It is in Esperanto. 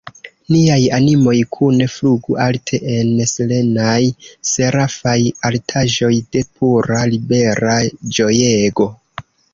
Niaj animoj kune flugu alte en serenaj, serafaj altaĵoj de pura, libera ĝojego!